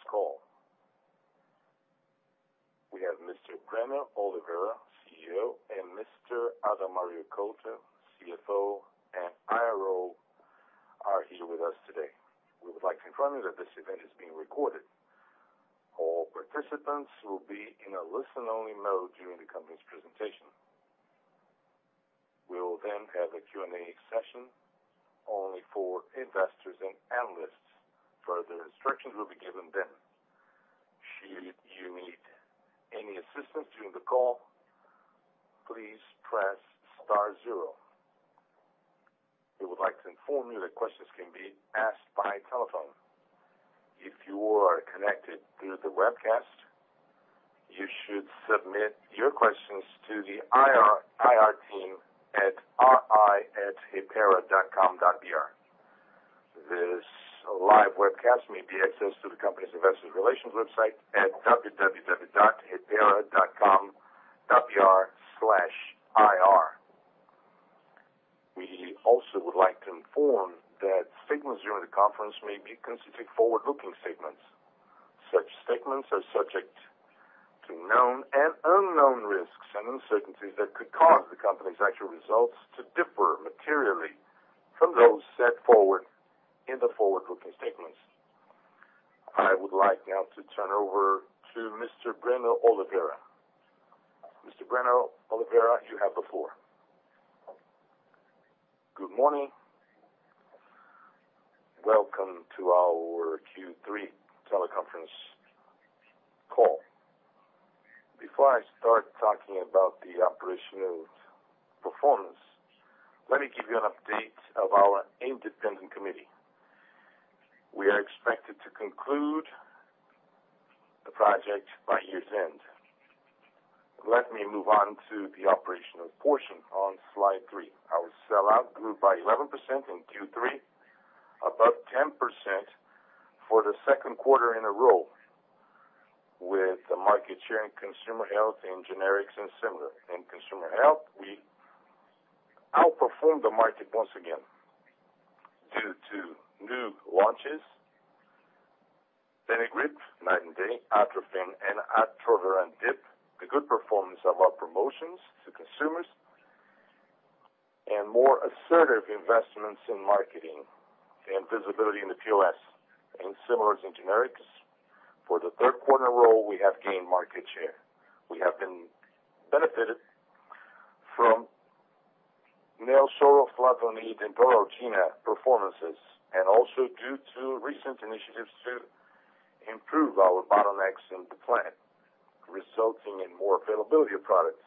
Good morning. Welcome to Hypera Pharma third quarter of 2019 results conference call. We have Mr. Breno de Oliveira, CEO, Mr. Adalmario Ghovatto, CFO and IRO, are here with us today. We would like to inform you that this event is being recorded. All participants will be in a listen-only mode during the company's presentation. We will then have a Q&A session only for investors and analysts. Further instructions will be given then. Should you need any assistance during the call, please press star zero. We would like to inform you that questions can be asked by telephone. If you are connected through the webcast, you should submit your questions to the IR team at ri@hypera.com.br. This live webcast may be accessed through the company's investors relations website at www.hypera.com.br/ir. We also would like to inform that statements during the conference may be considered forward-looking statements. Such statements are subject to known and unknown risks and uncertainties that could cause the company's actual results to differ materially from those set forward in the forward-looking statements. I would like now to turn over to Mr. Breno Oliveira. Mr. Breno Oliveira, you have the floor. Good morning. Welcome to our Q3 teleconference call. Before I start talking about the operational performance, let me give you an update of our independent committee. We are expected to conclude the project by year's end. Let me move on to the operational portion on slide three. Our sell-out grew by 11% in Q3, above 10% for the second quarter in a row, with the market share in consumer health, in generics and similar. In consumer health, we outperformed the market once again due to new launches, Benegrip Night and Day, Atrovent, and Atroveran Dip, the good performance of our promotions to consumers, and more assertive investments in marketing and visibility in the POS. In similars and generics, for the third quarter in a row, we have gained market share. We have been benefited from Neosoro, Fluvenil, and Dorolgina performances, and also due to recent initiatives to improve our bottlenecks in the plant, resulting in more availability of products.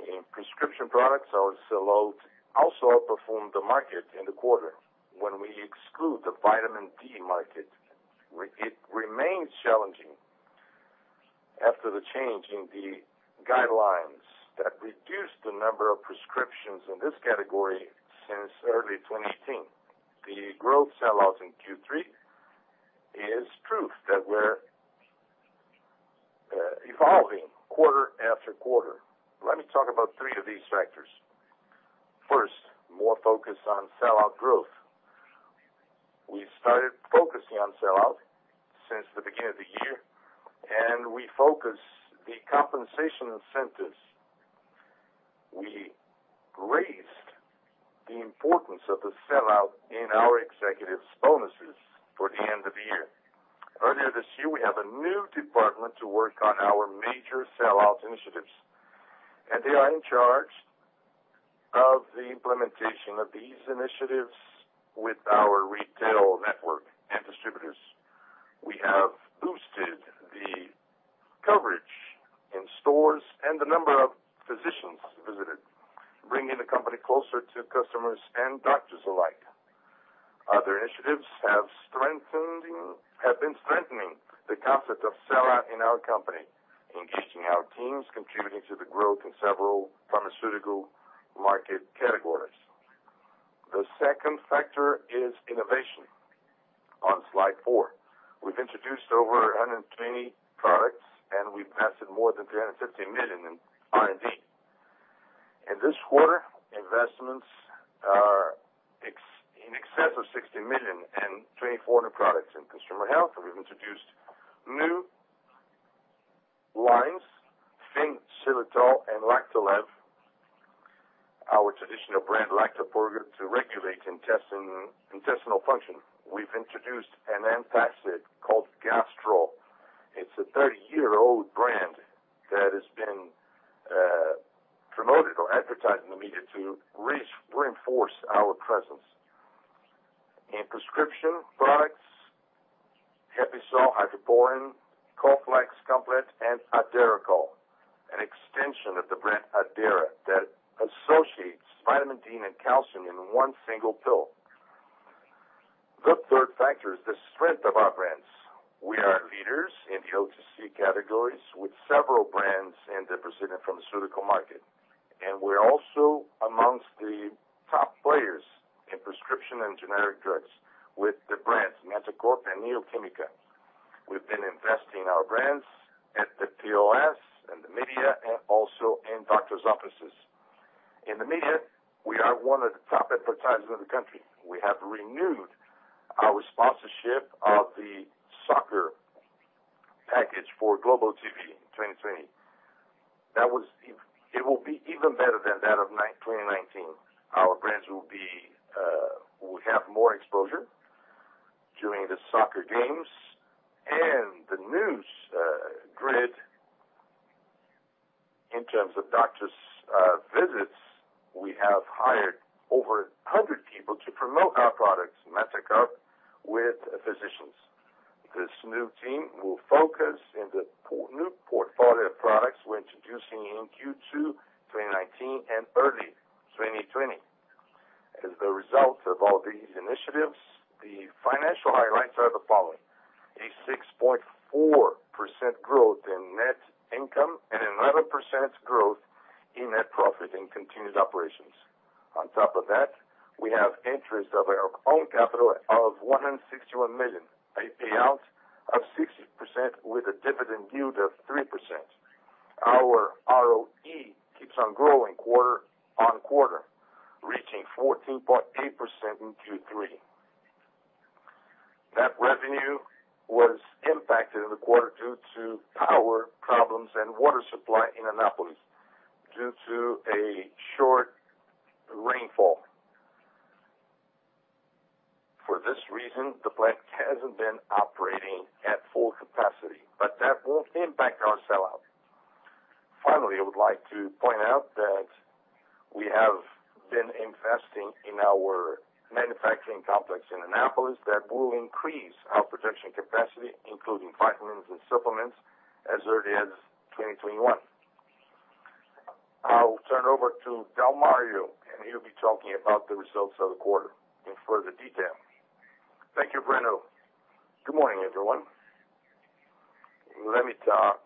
In prescription products, our sell-outs also outperformed the market in the quarter. When we exclude the Vitamin D market, it remains challenging after the change in the guidelines that reduced the number of prescriptions in this category since early 2018. The growth sell-outs in Q3 is proof that we're evolving quarter after quarter. Let me talk about three of these factors. First, more focus on sell-out growth. We started focusing on sell-out since the beginning of the year, and we focused the compensation incentives. We raised the importance of the sell-out in our executives' bonuses for the end of the year. Earlier this year, we have a new department to work on our major sell-out initiatives, and they are in charge of the implementation of these initiatives with our retail network and distributors. We have boosted the coverage in stores and the number of physicians visited, bringing the company closer to customers and doctors alike. Other initiatives have been strengthening the concept of sell-out in our company, engaging our teams, contributing to the growth in several pharmaceutical market categories. The second factor is innovation. On slide four. We've introduced over 120 products, and we've invested more than 350 million in R&D. In this quarter, investments are in excess of 60 million in 24 new products in consumer health. We've introduced new lines, Finn, xylitol, and [Lactalev], our traditional brand, [Lactobiorga], to regulate intestinal function. We've introduced an antacid called Gastrol. It's a 30-year-old brand that has been promoted or advertised in the media to reinforce our presence. In prescription products, Episol, Hidraporin, Colflex Complete, and Addera Cal, an extension of the brand Addera, that associates vitamin D and calcium in one single pill. The third factor is the strength of our brands. We are leaders in the OTC categories with several brands in the prescription pharmaceutical market, and we're also amongst the top players in prescription and generic drugs with the brands Mantecorp and Neo Química. We've been investing our brands at the POS, in the media, and also in doctors' offices. In the media, we are one of the top advertisers in the country. We have renewed our sponsorship of the soccer package for TV Globo in 2020. It will be even better than that of 2019. Our brands will have more exposure during the soccer games and the news grid. In terms of doctors' visits, we have hired over 100 people to promote our products, [Epidac], with physicians. This new team will focus on the new portfolio of products we're introducing in Q2 2019 and early 2020. As the results of all these initiatives, the financial highlights are the following: A 6.4% growth in net income and 11% growth in net profit in continued operations. On top of that, we have interest of our own capital of 161 million, a payout of 60% with a dividend yield of 3%. Our ROE keeps on growing quarter-over-quarter, reaching 14.8% in Q3. Net revenue was impacted in the quarter due to power problems and water supply in Anápolis, due to a short rainfall. For this reason, the plant hasn't been operating at full capacity, but that won't impact our sell-out. Finally, I would like to point out that we have been investing in our manufacturing complex in Anápolis. That will increase our production capacity, including vitamins and supplements, as early as 2021. I'll turn over to Adalmario, and he'll be talking about the results of the quarter in further detail. Thank you, Breno. Good morning, everyone. Let me talk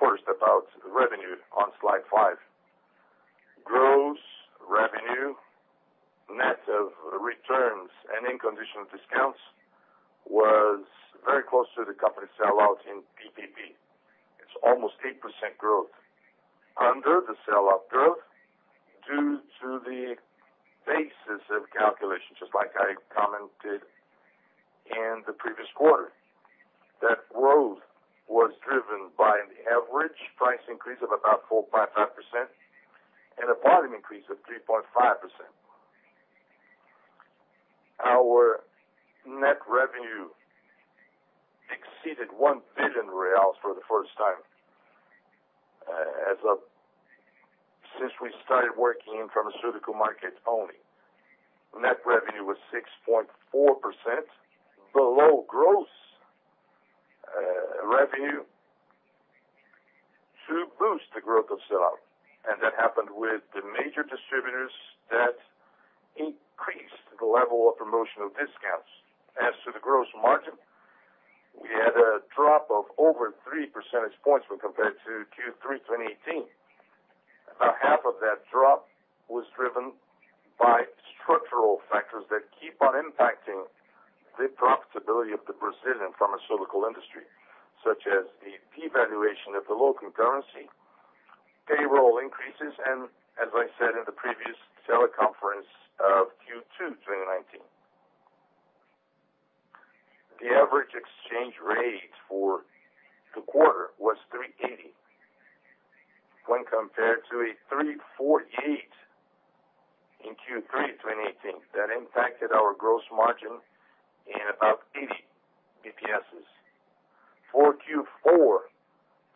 first about revenue on slide five. Gross revenue, net of returns and unconditional discounts, was very close to the company sell-out in PBM. It's almost 8% growth under the sell-out growth due to the basis of calculation, just like I commented in the previous quarter. That growth was driven by the average price increase of about 4.5% and a volume increase of 3.5%. Our net revenue exceeded 1 billion reais for the first time since we started working in pharmaceutical market only. Net revenue was 6.4% below gross revenue to boost the growth of sell-out, and that happened with the major distributors that increased the level of promotional discounts. As to the gross margin, we had a drop of over three percentage points when compared to Q3 2018. About half of that drop was driven by structural factors that keep on impacting the profitability of the Brazilian pharmaceutical industry, such as the devaluation of the local currency, payroll increases, and as I said in the previous teleconference of Q2 2019. The average exchange rate for the quarter was 380 when compared to a 348 in Q3 2018. That impacted our gross margin in about 80 basis points. For Q4,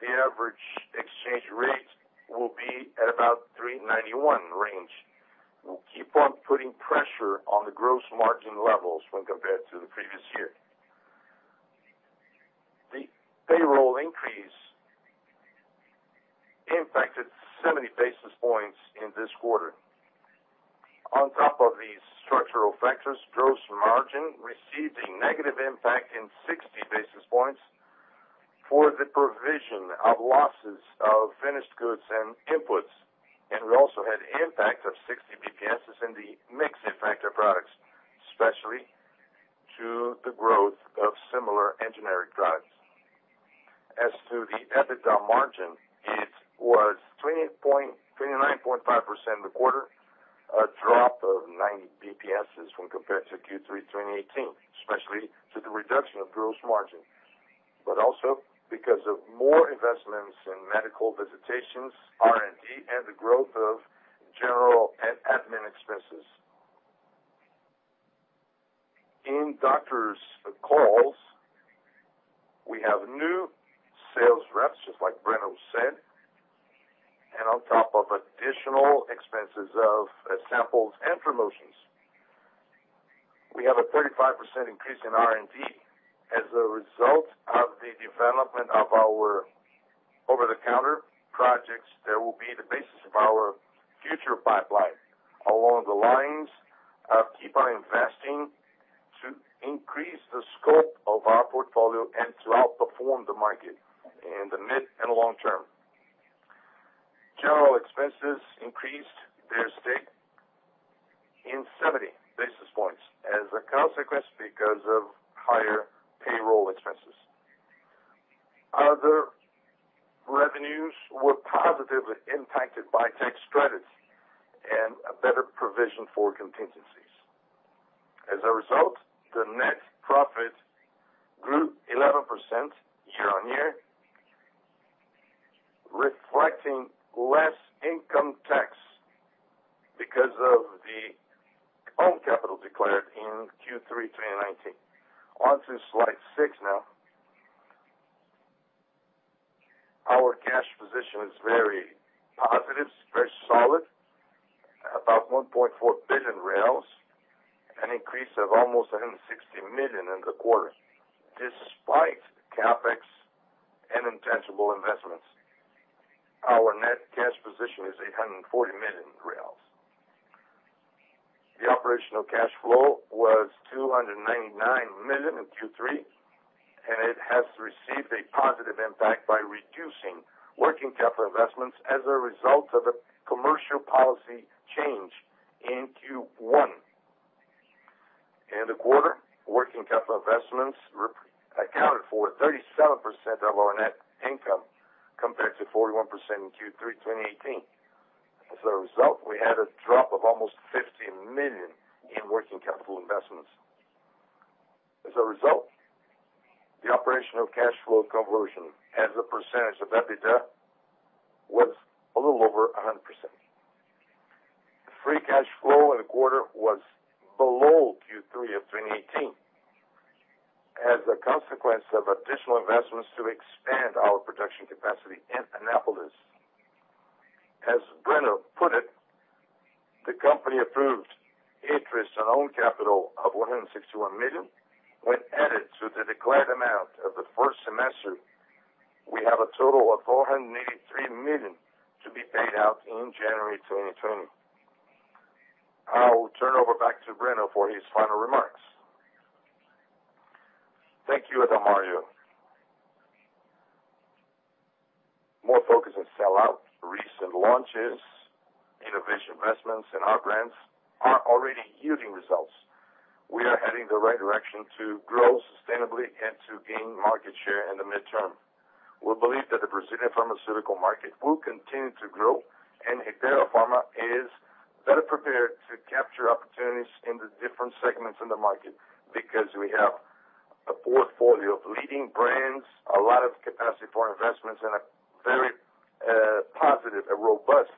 the average exchange rate will be at about 391 range, will keep on putting pressure on the gross margin levels when compared to the previous year. The payroll increase impacted 70 basis points in this quarter. On top of these structural factors, gross margin received a negative impact in 60 basis points for the provision of losses of finished goods and inputs. We also had impact of 60 basis points in the mix effect of products, especially to the growth of similar and generic products. As to the EBITDA margin, it was 29.5% in the quarter, a drop of 90 basis points when compared to Q3 2018, especially to the reduction of gross margin. Also, because of more investments in medical visitations, R&D, and the growth of general and admin expenses. In doctors' calls, we have new sales reps, just like Breno said, and on top of additional expenses of samples and promotions. We have a 35% increase in R&D. As a result of the development of our over-the-counter projects that will be the basis of our future pipeline, along the lines of keep on investing to increase the scope of our portfolio and to outperform the market in the mid and long term. Expenses increased their stake in 70 basis points as a consequence because of higher payroll expenses. Other revenues were positively impacted by tax strategy and a better provision for contingencies. The net profit grew 11% year-on-year, reflecting less income tax because of the own capital declared in Q3 2019. On to slide six now. Our cash position is very positive, very solid, about 1.4 billion reais, an increase of almost 160 million in the quarter. Despite CapEx and intangible investments, our net cash position is 840 million reais. The operational cash flow was 299 million in Q3, it has received a positive impact by reducing working capital investments as a result of a commercial policy change in Q1. In the quarter, working capital investments accounted for 37% of our net income, compared to 41% in Q3 2018. As a result, we had a drop of almost 15 million in working capital investments. As a result, the operational cash flow conversion as a percentage of EBITDA was a little over 100%. Free cash flow in the quarter was below Q3 of 2018, as a consequence of additional investments to expand our production capacity in Anápolis. As Breno put it, the company approved interest on own capital of 161 million. When added to the declared amount of the first semester, we have a total of 483 million to be paid out in January 2020. I will turn over back to Breno for his final remarks. Thank you, Adalmario. More focus on sellout. Recent launches, innovation investments in our brands are already yielding results. We are heading the right direction to grow sustainably and to gain market share in the midterm. We believe that the Brazilian pharmaceutical market will continue to grow, and Hypera Pharma is better prepared to capture opportunities in the different segments in the market, because we have a portfolio of leading brands, a lot of capacity for investments, and a very positive and robust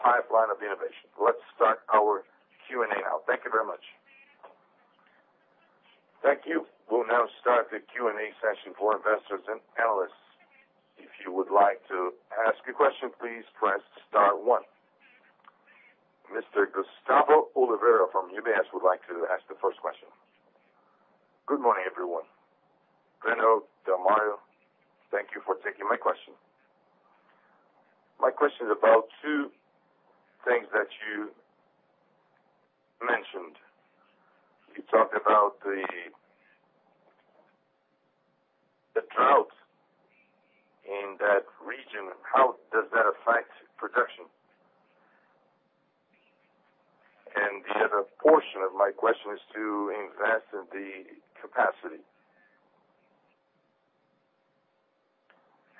pipeline of innovation. Let's start our Q&A now. Thank you very much. Thank you. We'll now start the Q&A session for investors and analysts. If you would like to ask a question, please press star one. Mr. Gustavo Oliveira from UBS would like to ask the first question. Good morning, everyone. Breno, Adalmario, thank you for taking my question. My question is about two things that you mentioned. You talked about the drought in that region, how does that affect production? The other portion of my question is to invest in the capacity.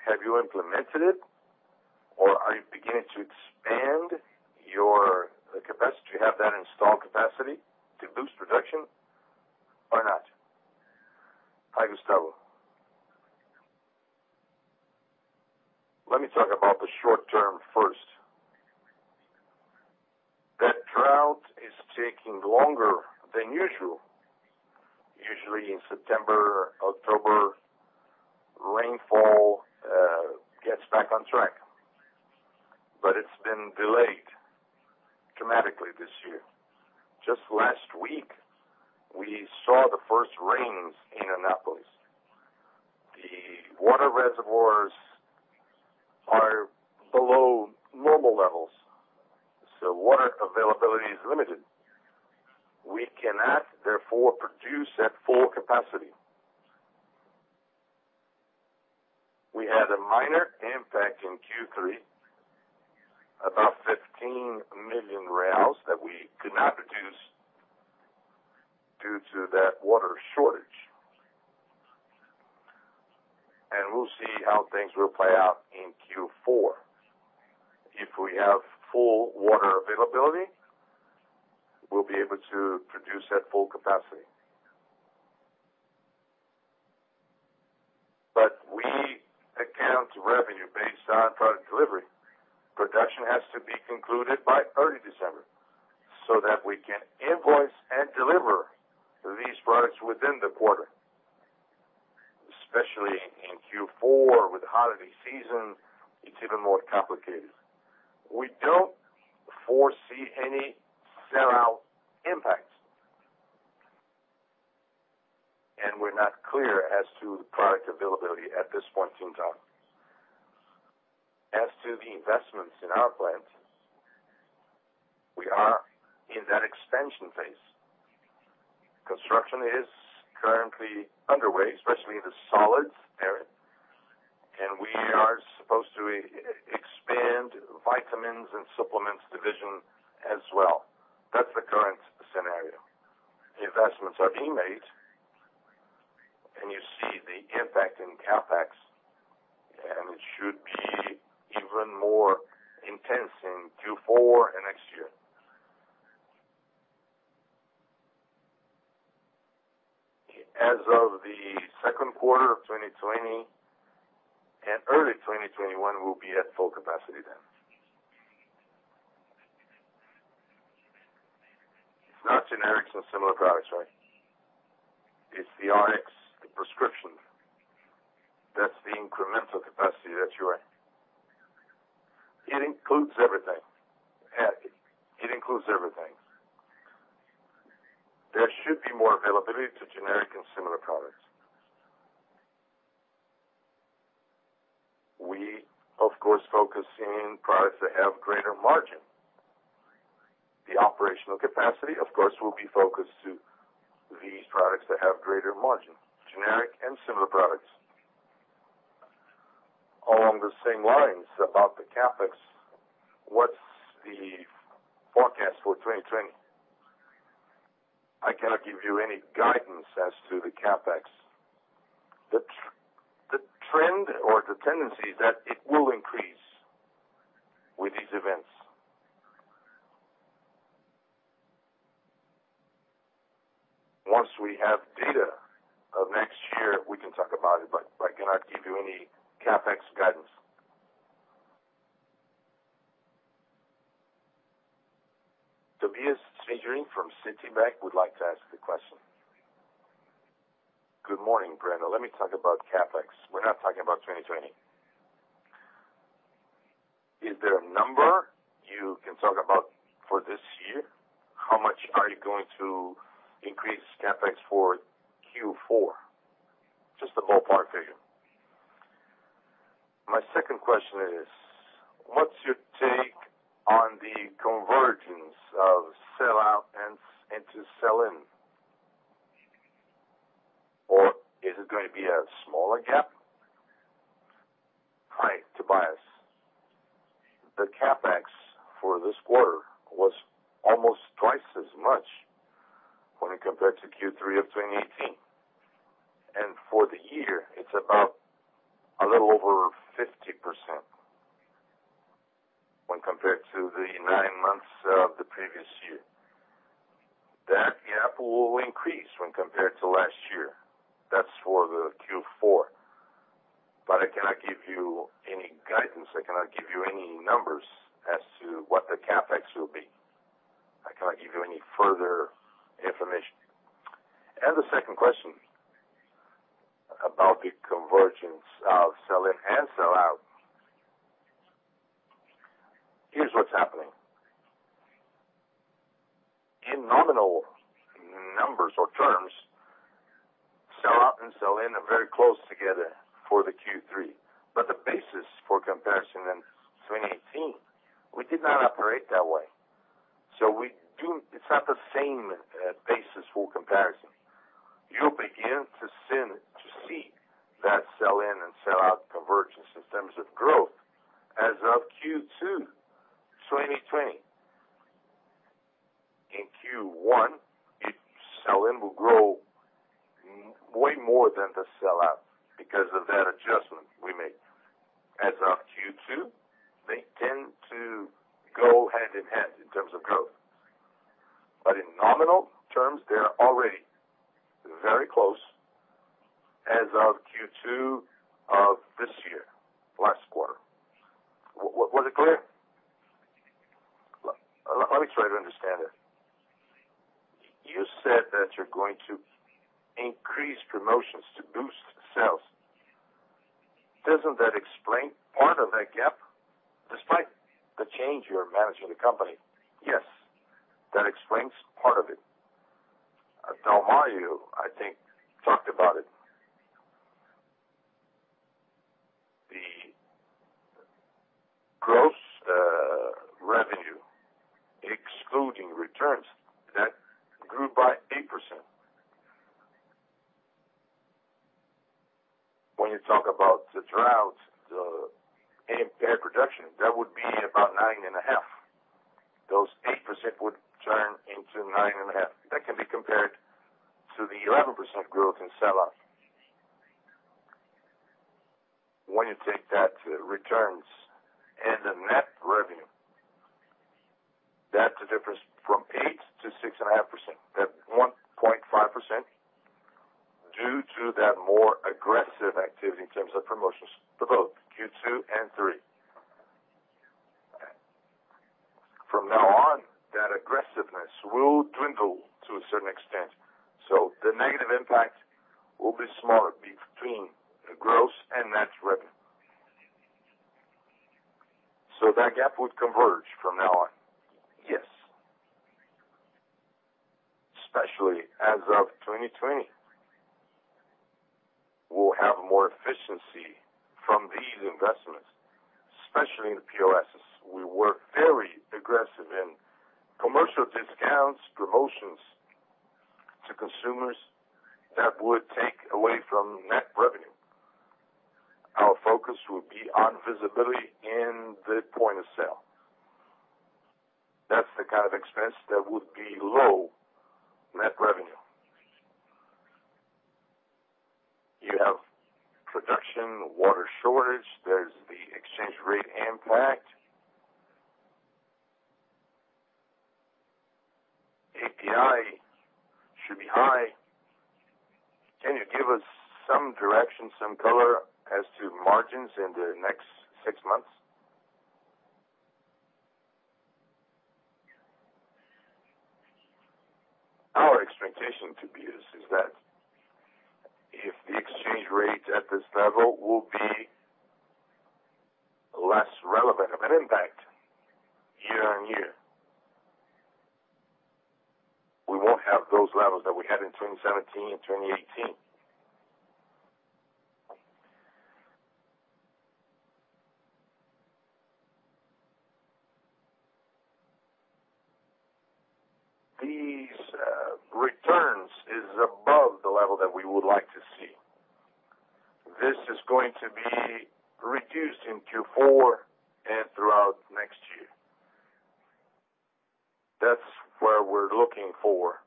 Have you implemented it, or are you beginning to expand your capacity? Do you have that installed capacity to boost production or not? Hi, Gustavo. Let me talk about the short term first. That drought is taking longer than usual. Usually, in September, October, rainfall gets back on track, but it's been delayed dramatically this year. Just last week, we saw the first rains in Anápolis. The water reservoirs are below normal levels, water availability is limited. We cannot, therefore, produce at full capacity. We had a minor impact in Q3, about 15 million reais that we could not produce due to that water shortage. We'll see how things will play out in Q4. If we have full water availability, we'll be able to produce at full capacity. We account revenue based on product delivery. Production has to be concluded by early December so that we can invoice and deliver these products within the quarter. Especially in Q4 with the holiday season, it's even more complicated. We don't foresee any sell-out impacts, and we're not clear as to the product availability at this point in time. As to the investments in our plant. We are in that expansion phase. Construction is currently underway, especially the solids area, and we are supposed to expand the vitamins and supplements division as well. That's the current scenario. The investments are being made, and you see the impact in CapEx, and it should be even more intense in Q4 and next year. As of the second quarter of 2020 and early 2021, we'll be at full capacity then. It's not generics or similar products, right. It's the Rx, the prescription. That's the incremental capacity that you're in. It includes everything. There should be more availability to generic and similar products. We, of course, focus in products that have greater margin. The operational capacity, of course, will be focused to these products that have greater margin, generic and similar products. Along the same lines about the CapEx, what's the forecast for 2020? I cannot give you any guidance as to the CapEx. The trend or the tendency is that it will increase with these events. Once we have data of next year, we can talk about it, but I cannot give you any CapEx guidance. Tobias Stingelin from Citibank would like to ask a question. Good morning, Breno. Let me talk about CapEx. We're not talking about 2020. Is there a number you can talk about for this year? How much are you going to increase CapEx for Q4? Just a ballpark figure. My second question is, what's your take on the convergence of sell-out into sell-in? Is it going to be a smaller gap? Hi, Tobias. The CapEx for this quarter was almost twice as much when compared to Q3 of 2018. For the year, it's about a little over 50% when compared to the nine months of the previous year. That gap will increase when compared to last year. That's for the Q4. I cannot give you any guidance. I cannot give you any numbers as to what the CapEx will be. I cannot give you any further information. The second question, about the convergence of sell-in and sell-out. Here's what's happening. In nominal numbers or terms, sell-out and sell-in are very close together for the Q3, but the basis for comparison in 2018, we did not operate that way. It's not the same basis for comparison. You'll begin to see that sell-in and sell-out convergence in terms of growth as of Q2 2020. In Q1, sell-in will grow way more than the sell-out because of that adjustment we made. As of Q2, they tend to go hand in hand in terms of growth. In nominal terms, they are already very close as of Q2 of this year, last quarter. Was it clear? Let me try to understand it. You said that you're going to increase promotions to boost sales. Doesn't that explain part of that gap despite the change you're managing the company? Yes. That explains part of it. Adalmario, I think, talked about it. The gross revenue, excluding returns, that grew by 8%. You talk about the droughts and bad production, that would be about 9.5. Those 8% would turn into 9.5. That can be compared to the 11% growth in sell-out. You take that returns and the net revenue, that's a difference from 8% to 6.5%. That 1.5% due to that more aggressive activity in terms of promotions for both Q2 and Q3. From now on, that aggressiveness will dwindle to a certain extent. The negative impact will be smaller between the gross and net revenue. That gap would converge from now on? Yes. Especially as of 2020. We'll have more efficiency from these investments, especially in the POS. We were very aggressive in commercial discounts, promotions to consumers that would take away from net revenue. Our focus will be on visibility in the point of sale. That's the kind of expense that would be low net revenue. You have production, water shortage, there's the exchange rate impact. API should be high. Can you give us some direction, some color as to margins in the next six months? Our expectation, Tobias, is that if the exchange rate at this level will be less relevant of an impact year-on-year. We won't have those levels that we had in 2017 and 2018. These returns is above the level that we would like to see. This is going to be reduced in Q4 and throughout next year. That's where we're looking for.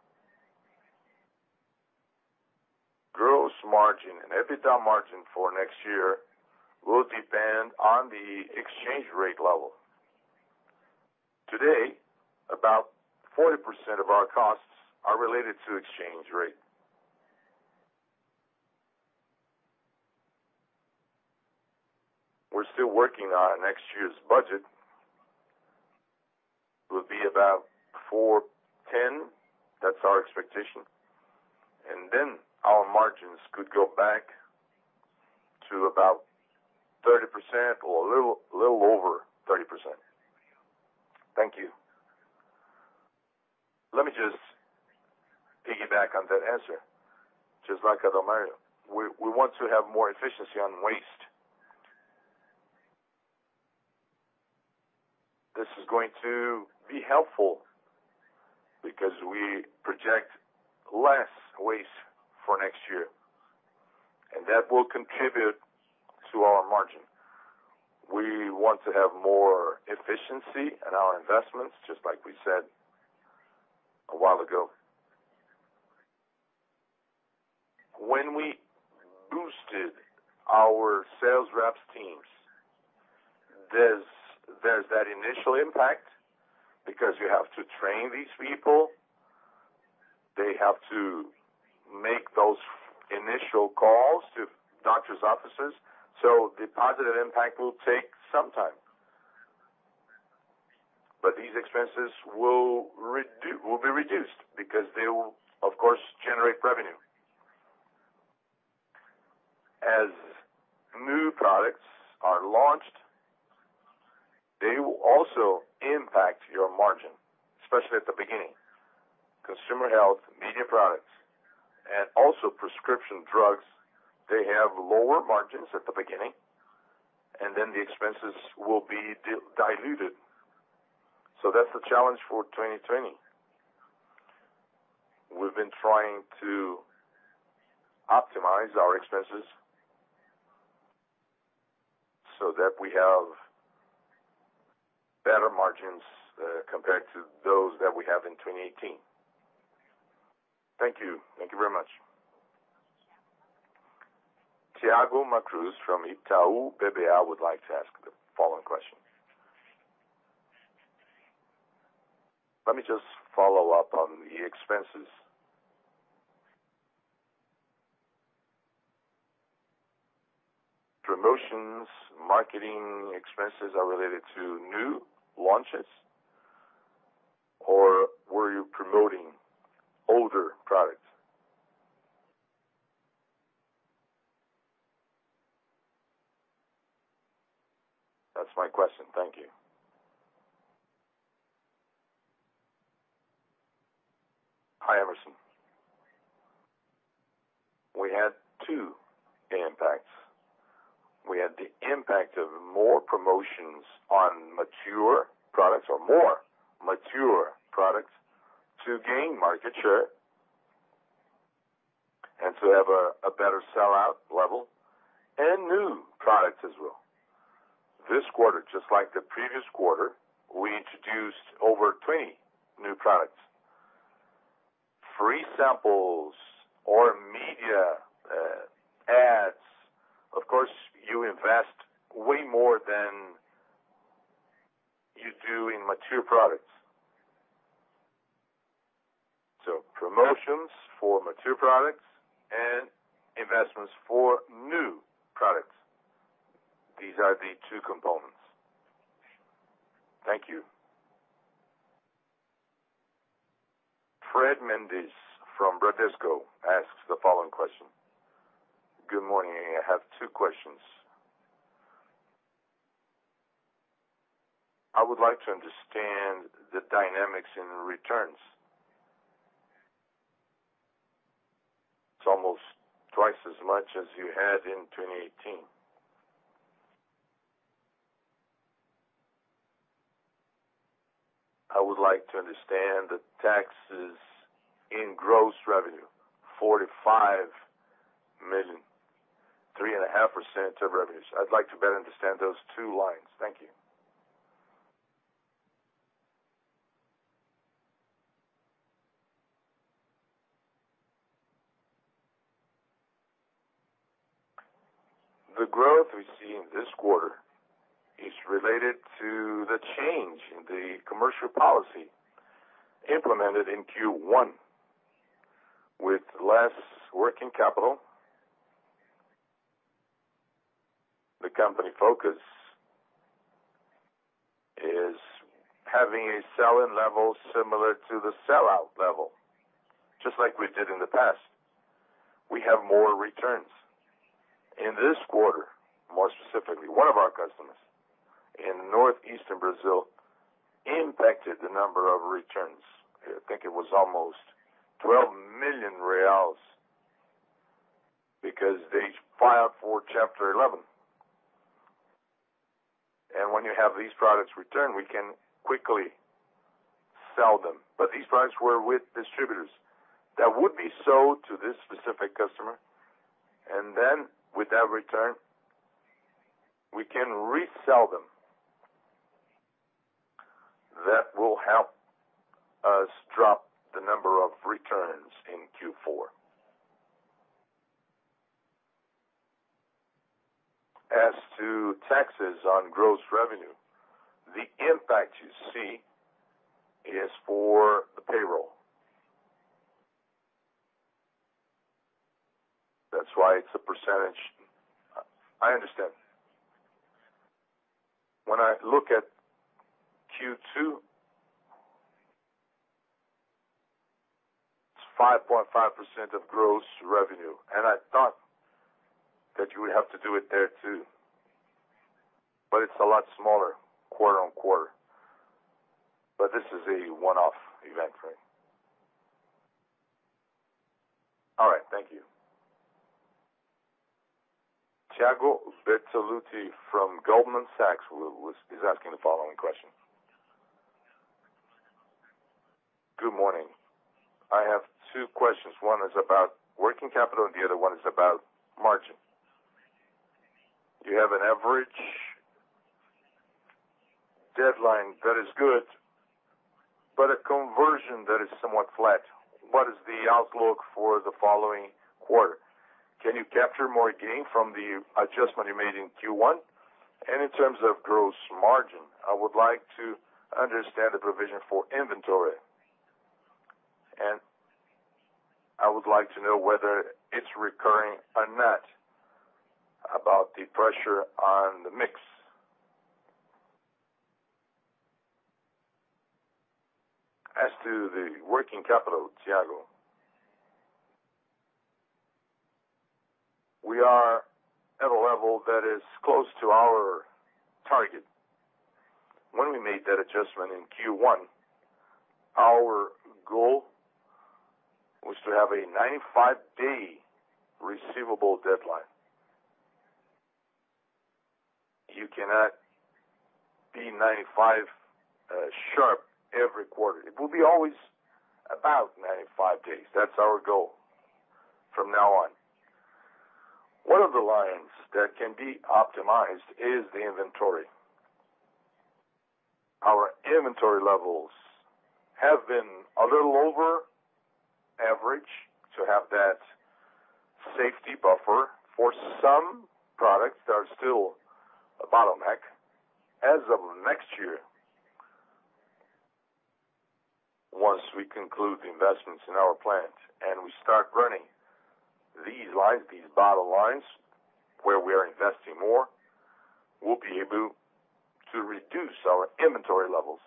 Gross margin and EBITDA margin for next year will depend on the exchange rate level. Today, about 40% of our costs are related to exchange rate. We're still working on next year's budget. It will be about 410. That's our expectation. Our margins could go back to about 30% or a little over 30%. Thank you. Let me just piggyback on that answer. Just like Adalmario, we want to have more efficiency on waste. This is going to be helpful because we project less waste for next year, and that will contribute to our margin. We want to have more efficiency in our investments, just like we said a while ago. When we boosted our sales reps teams, there's that initial impact because you have to train these people. They have to make those initial calls to doctors' offices. The positive impact will take some time. These expenses will be reduced because they will, of course, generate revenue. As new products are launched, they will also impact your margin, especially at the beginning. Consumer health, media products, and also prescription drugs, they have lower margins at the beginning. The expenses will be diluted. That's the challenge for 2020. We've been trying to optimize our expenses so that we have better margins, compared to those that we have in 2018. Thank you. Thank you very much. Thiago Macruz from Itaú BBA would like to ask the following question. Let me just follow up on the expenses. Promotions, marketing expenses are related to new launches, or were you promoting older products? That's my question. Thank you. Hi, Emerson. We had two impacts. We had the impact of more promotions on mature products or more mature products to gain market share, and to have a better sell-out level and new products as well. This quarter, just like the previous quarter, we introduced over 20 new products. Free samples or media ads, of course, you invest way more than you do in mature products. Promotions for mature products and investments for new products. These are the two components. Thank you. Fred Mendes from Bradesco asks the following question. Good morning. I have two questions. I would like to understand the dynamics in returns. It's almost twice as much as you had in 2018. I would like to understand the taxes in gross revenue, 45 million, 3.5% of revenues. I'd like to better understand those two lines. Thank you. The growth we see in this quarter is related to the change in the commercial policy implemented in Q1. With less working capital, the company focus is having a sell-in level similar to the sell-out level, just like we did in the past. We have more returns. In this quarter, more specifically, one of our customers in northeastern Brazil impacted the number of returns. I think it was almost 12 million reais, because they filed for Chapter 11. When you have these products returned, we can quickly sell them. These products were with distributors that would be sold to this specific customer, and then with that return, we can resell them. That will help us drop the number of returns in Q4. As to taxes on gross revenue, the impact you see is for the payroll. That's why it's a percentage. I understand. When I look at Q2, it's 5.5% of gross revenue, and I thought that you would have to do it there too. It's a lot smaller quarter-on-quarter. This is a one-off event. All right, thank you. Thiago Bertolucci from Goldman Sachs is asking the following question. Good morning. I have two questions. One is about working capital, and the other one is about margin. You have an average deadline that is good, but a conversion that is somewhat flat. What is the outlook for the following quarter? Can you capture more gain from the adjustment you made in Q1? In terms of gross margin, I would like to understand the provision for inventory. I would like to know whether it's recurring or not, about the pressure on the mix. As to the working capital, Thiago, we are at a level that is close to our target. When we made that adjustment in Q1, our goal was to have a 95-day receivable deadline. You cannot be 95 sharp every quarter. It will be always about 95 days. That's our goal from now on. One of the lines that can be optimized is the inventory. Our inventory levels have been a little over average to have that safety buffer for some products that are still a bottleneck. As of next year, once we conclude the investments in our plant and we start running these lines, these bottle lines, where we are investing more, we'll be able to reduce our inventory levels.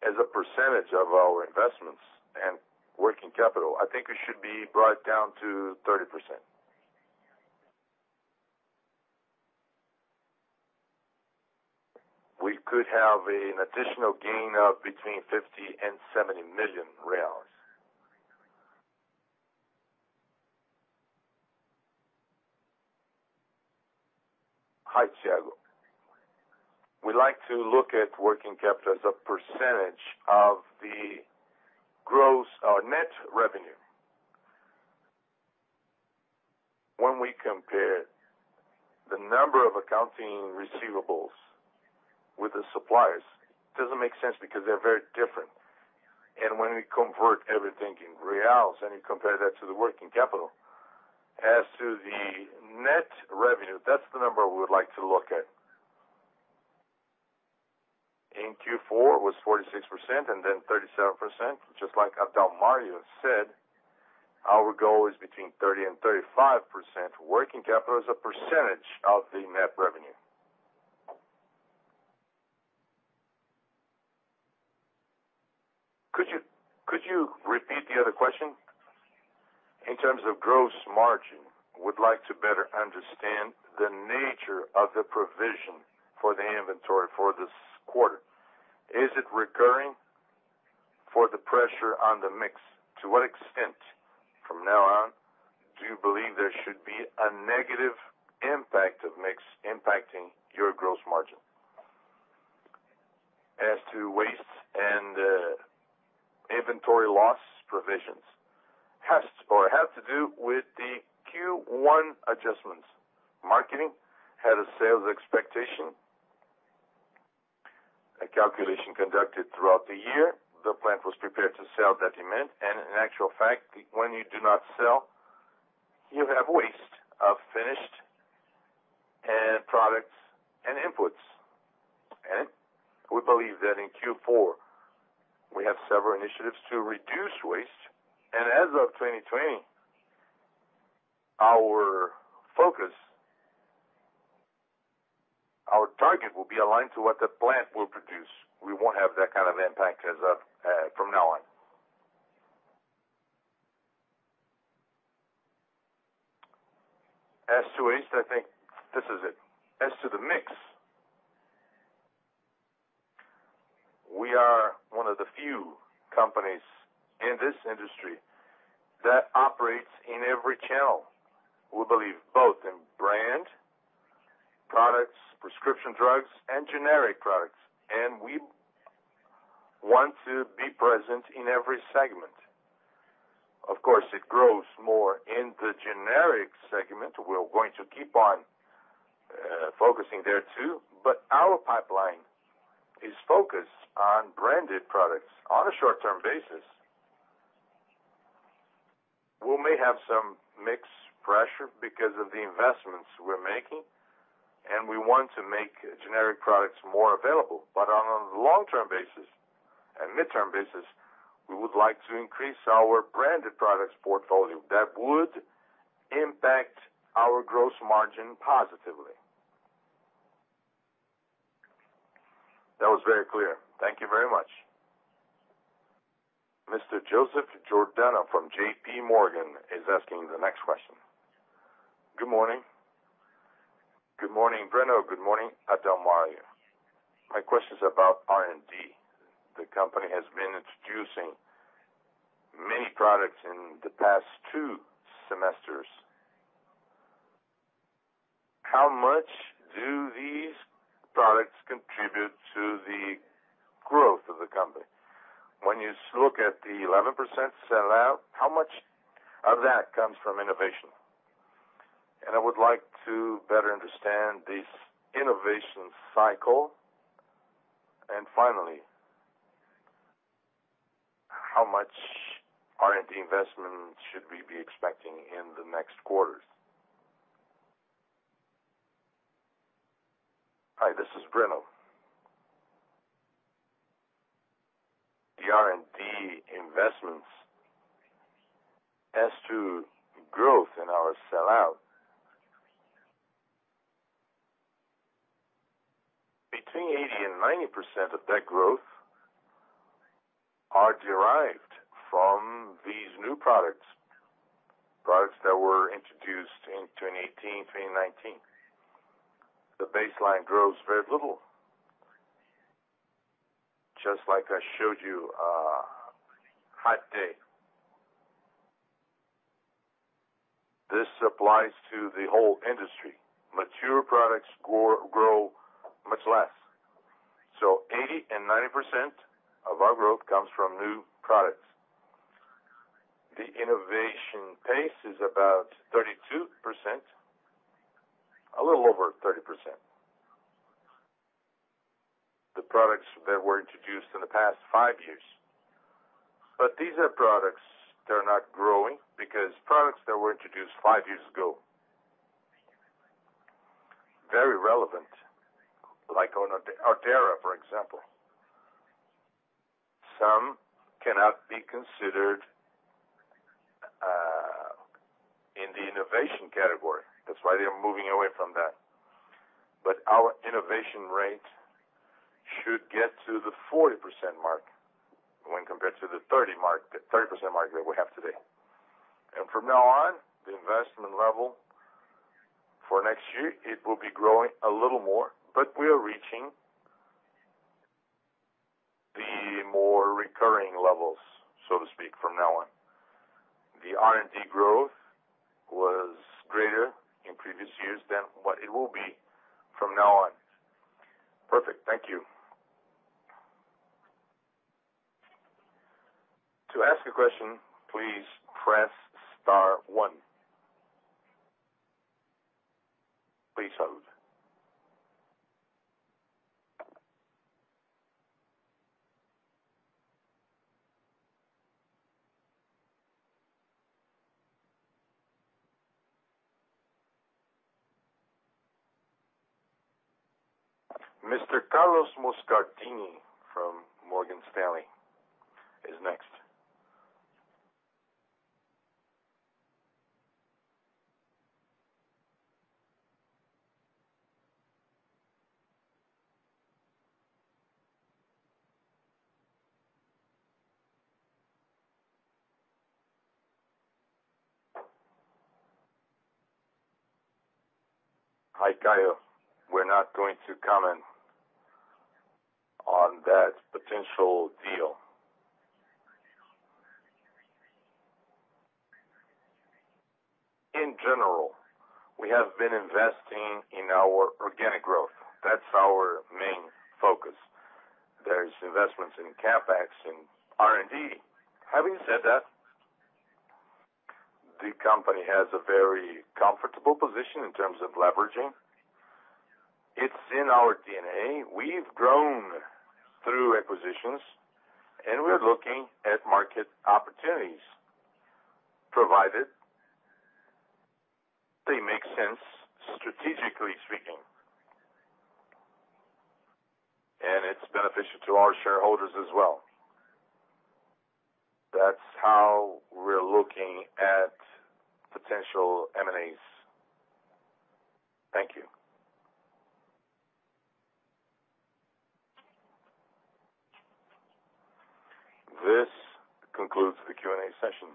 As a percentage of our investments and working capital, I think it should be brought down to 30%. We could have an additional gain of between 50 million and 70 million. Hi, Thiago. We like to look at working capital as a percentage of the net revenue. When we compare the number of accounting receivables with the suppliers, it doesn't make sense because they're very different. When we convert everything in BRL and you compare that to the working capital, as to the net revenue, that's the number we would like to look at. In Q4, it was 46% and then 37%, just like Adalmario said, our goal is between 30% and 35% working capital as a percentage of the net revenue. In terms of gross margin, would like to better understand the nature of the provision for the inventory for this quarter. Is it recurring for the pressure on the mix? To what extent from now on do you believe there should be a negative impact of mix impacting your gross margin? As to waste and inventory loss provisions, have to do with the Q1 adjustments. Marketing had a sales expectation, a calculation conducted throughout the year. The plant was prepared to sell that amount, and in actual fact, when you do not sell, you have waste of finished products and inputs. We believe that in Q4, we have several initiatives to reduce waste. As of 2020, our focus, our target will be aligned to what the plant will produce. We won't have that kind of impact from now on. As to waste, I think this is it. As to the mix, we are one of the few companies in this industry that operates in every channel. We believe both in brand products, prescription drugs, and generic products, and we want to be present in every segment. Of course, it grows more in the generic segment. We're going to keep on focusing there too, but our pipeline is focused on branded products on a short-term basis. We may have some mix pressure because of the investments we're making, and we want to make generic products more available. On a long-term basis and midterm basis, we would like to increase our branded products portfolio. That would impact our gross margin positively. That was very clear. Thank you very much. Mr. Joseph Giordano from J.P. Morgan is asking the next question. Good morning. Good morning, Breno. Good morning, Adalmario. My question's about R&D. The company has been introducing many products in the past two semesters. How much do these products contribute to the growth of the company? When you look at the 11% sell-out, how much of that comes from innovation? I would like to better understand this innovation cycle. Finally, how much R&D investment should we be expecting in the next quarters? Hi, this is Breno. The R&D investments as to growth in our sell-out, between 80% and 90% of that growth are derived from these new products that were introduced in 2018, 2019. The baseline grows very little, just like I showed you, a Hype Day. This applies to the whole industry. Mature products grow much less. 80% and 90% of our growth comes from new products. The innovation pace is about 32%, a little over 30%, the products that were introduced in the past five years. But these are products that are not growing because products that were introduced five years ago, very relevant, like [Artera], for example. Some cannot be considered in the innovation category. That's why they're moving away from that. Our innovation rate should get to the 40% mark when compared to the 30% mark that we have today. From now on, the investment level for next year, it will be growing a little more, but we are reaching the more recurring levels, so to speak, from now on. The R&D growth was greater in previous years than what it will be from now on. Perfect. Thank you. To ask a question, please press star one. Please hold. Mr. Carlos Moscardini from Morgan Stanley is next. Hi, Caio. We're not going to comment on that potential deal. In general, we have been investing in our organic growth. That's our main focus. There's investments in CapEx and R&D. Having said that, the company has a very comfortable position in terms of leveraging. It's in our DNA. We've grown through acquisitions, and we're looking at market opportunities, provided they make sense strategically speaking, and it's beneficial to our shareholders as well. That's how we're looking at potential M&As. Thank you. This concludes the Q&A session.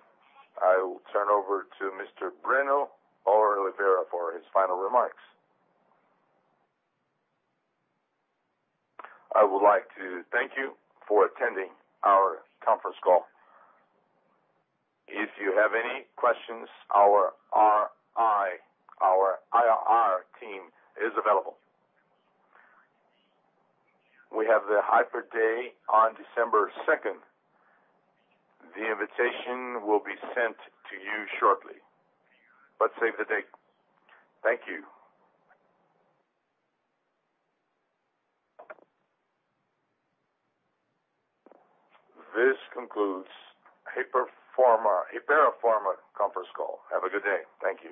I will turn over to Mr. Breno de Oliveira for his final remarks. I would like to thank you for attending our conference call. If you have any questions, our IR team is available. We have the Hyper Day on December 2nd. The invitation will be sent to you shortly, but save the date. Thank you. This concludes Hypera Pharma conference call. Have a good day. Thank you.